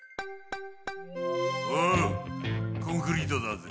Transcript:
おうコンクリートだぜ。